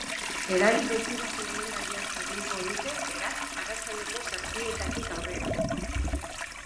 Edari desiratu honen gainean jardungo dute, beraz, arratsaldeko zazpietatik aurrera.